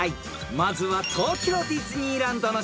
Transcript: ［まずは東京ディズニーランドのシンボル